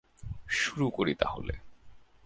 শুরু করি তাহলে।